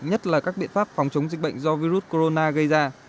nhất là các biện pháp phòng chống dịch bệnh do virus corona gây ra